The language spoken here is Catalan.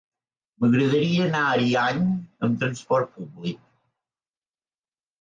M'agradaria anar a Ariany amb transport públic.